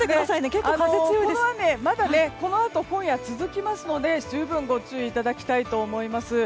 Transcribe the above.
この雨はこのあとも続きますので十分ご注意いただきたいと思います。